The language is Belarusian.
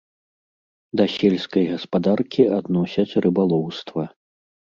Да сельскай гаспадаркі адносяць рыбалоўства.